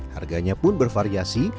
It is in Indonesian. harganya pun bervariasi